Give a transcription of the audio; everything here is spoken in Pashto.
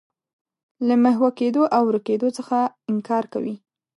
له محوه کېدو او ورکېدو څخه انکار کوي.